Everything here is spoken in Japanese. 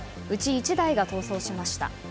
１台が逃走しました。